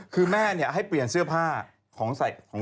คือแม่ให้เปลี่ยนเสื้อผ้าของใส่ของ